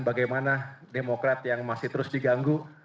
bagaimana demokrat yang masih terus diganggu